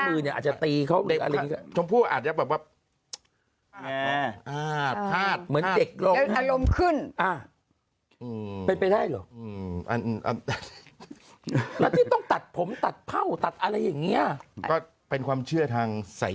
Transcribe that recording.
เออมันหลายอย่าง